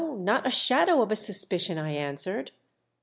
not a shadow of a suspicion," I answered.